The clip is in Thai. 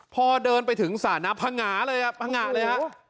พอเดินไปถึงสาน้ำผงะเลยอะผงะเลยอะ